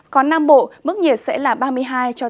còn nam bộ mức nhiệt sẽ là ba mươi hai ba mươi ba độ